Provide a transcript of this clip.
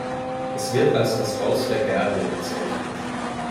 Es wird als das Haus der Garde bezeichnet.